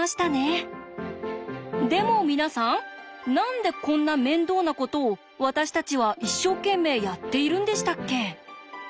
でも皆さん何でこんな面倒なことを私たちは一生懸命やっているんでしたっけ？